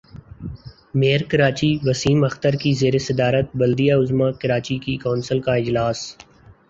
mayor Karachi Waseem Akhtar کی زیر صدارت بلدیہ عظمی کراچی کی کونسل کا اجلاس